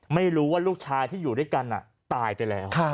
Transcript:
ไม่รู้ว่าลูกชายที่อยู่ด้วยกันตายไปแล้ว